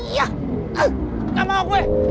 iya gak mau gue